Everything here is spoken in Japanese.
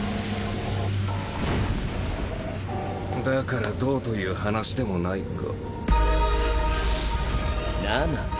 だからどうという話でもないが。